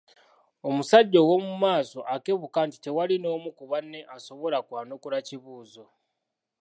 Omusajja ow’omu maaso akebuka nti tewali n’omu ku banne asobola kwanukula kibuuzo.